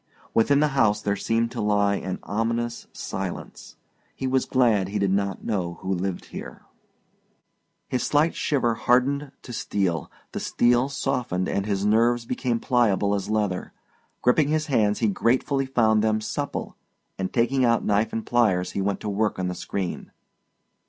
Within the house there seemed to lie an ominous silence. He was glad he did not know who lived here. His slight shiver hardened to steel; the steel softened and his nerves became pliable as leather; gripping his hands he gratefully found them supple, and taking out knife and pliers he went to work on the screen.